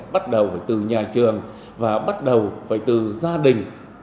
bắt đầu phải từ nhà trường và bắt đầu phải từ gia đình